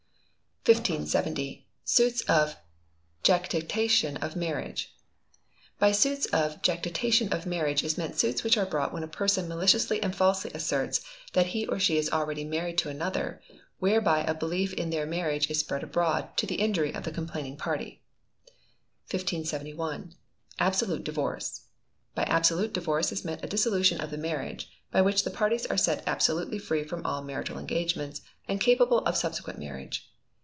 _ 1570. Suits of Jactitation of Marriage. By suits of jactitation of marriage is meant suits which are brought when a person maliciously and falsely asserts that he or she is already married to another, whereby a belief in their marriage is spread abroad, to the injury of the complaining party. 1571. Absolute Divorce. By absolute divorce is meant a dissolution of the marriage, by which the parties are set absolutely free from all marital engagements, and capable of subsequent marriage.